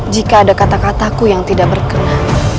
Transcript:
jika ada kata kataku yang tidak berkenan